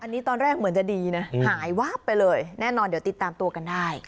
อันนี้ตอนแรกเหมือนจะดีนะหายวาบไปเลยแน่นอนเดี๋ยวติดตามตัวกันได้